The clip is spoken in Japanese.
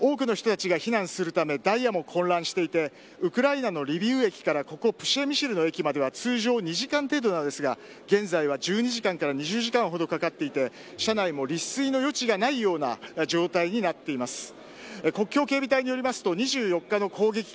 多くの人たちが避難するためダイヤも混乱していてウクライナのリビウ駅からここプシェミシル駅までは通常２時間程度なんですが現在は１２時間から２０時間ほどかかっていて車内も利水の余地がないような状態になっています。